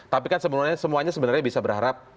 tapi kan semuanya sebenarnya bisa berharap